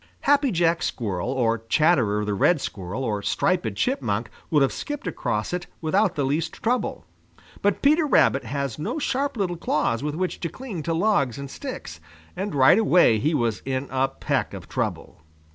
Happy Jack Squirrel or Chatterer the Red Squirrel or Striped Chipmunk would have skipped across it without the least trouble. But Peter Rabbit has no sharp little claws with which to cling to logs and sticks, and right away he was in a peck of trouble.